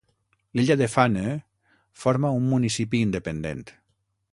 L'illa de Fanø forma un municipi independent.